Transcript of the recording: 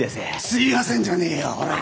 すいやせんじゃねえよオラ。